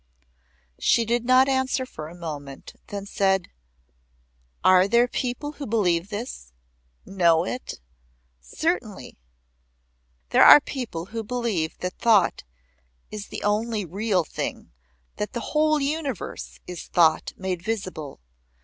She did not answer for a moment; then said; "Are there people who believe this know it?" "Certainly. There are people who believe that thought is the only real thing that the whole universe is thought made visible.